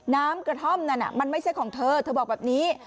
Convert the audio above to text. น้ำกระท่อมนั้นมันไม่ใช่ของเธอเธอบอกแบบนี้